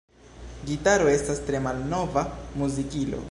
Gitaro estas tre malnova muzikilo.